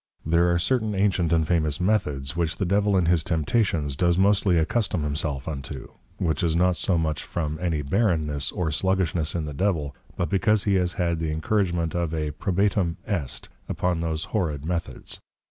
There are certain Ancient and Famous Methods which the Devil in his Temptations, does mostly accustome himself unto; which is not so much from any Barrenness, or Sluggishness in the Devil, but because he has had the Encouragement of a, Probatum est, upon those horrid Methods.